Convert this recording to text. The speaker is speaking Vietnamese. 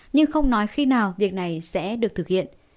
nhưng không nói khi nào việc này sẽ được thực hiện